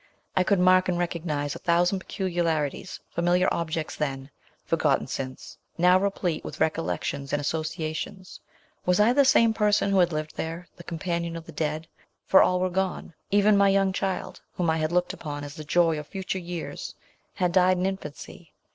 I could mark and recognise a thousand peculiarities, familiar objects then, forgotten since now replete with recollections and associations. Was I the same person who had lived there, the com panion of the dead for all were gone ? Even my young child, whom I had looked upon as the joy of future years, had died in infancy.